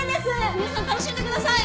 皆さん楽しんでください！